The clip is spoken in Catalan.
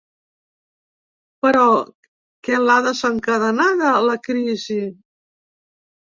Però, què l’ha desencadenada, la crisi?